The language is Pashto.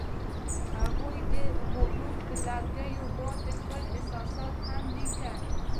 هغوی د غروب پر لرګي باندې خپل احساسات هم لیکل.